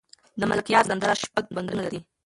د ملکیار سندره شپږ بندونه لري.